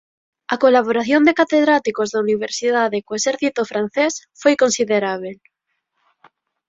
A colaboración de catedráticos da universidade co exército francés foi considerábel.